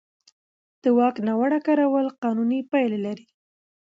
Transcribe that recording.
د واک ناوړه کارول قانوني پایلې لري.